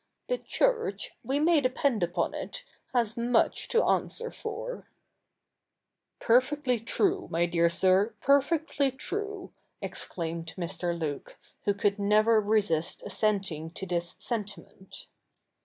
The Church, we may depend upon it, has much to answer for/ ' Perfectly true, my dear sir ! perfectly true,' exclaimed My. Luke, who could never resist assenting to this sentiment.